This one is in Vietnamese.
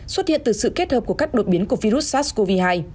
xuất hiện từ sự kết hợp của các đột biến của virus sars cov hai